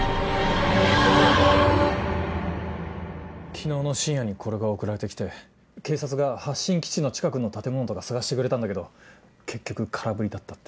昨日の深夜にこれが送られて来て警察が発信基地の近くの建物とか捜してくれたんだけど結局空振りだったって。